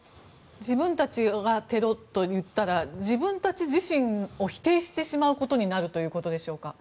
自分たちがテロと言ったら自分たち自身を否定してしまうことになるということでしょうか。